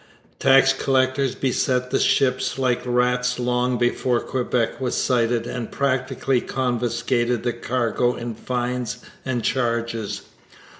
Tax collectors beset the ships like rats long before Quebec was sighted, and practically confiscated the cargo in fines and charges.